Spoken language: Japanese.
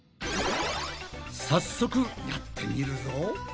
早速やってみるぞ。